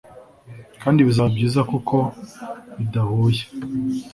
kandi bizaba byiza kuko bidahuye